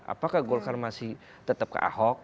apakah golkar masih tetap ke ahok